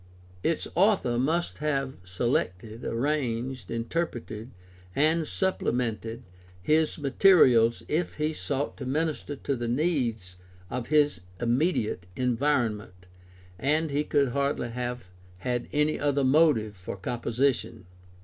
Its author must have selected, arranged, interpreted, and supplemented his materials if he sought to minister to the needs of his immediate environment — and he could hardly have had any other motive for com position.